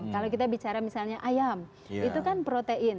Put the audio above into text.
kalau kita bicara misalnya ayam itu kan protein